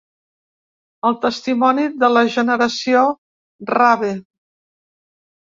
El testimoni de la generació rave.